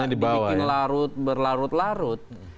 kemudian ini persoalan dibikin larut berlarut larut